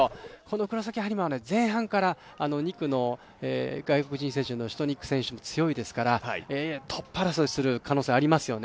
黒崎播磨は前半から２区の外国人選手のシトニック選手、強いですからトップ争いをする可能性もありますよね。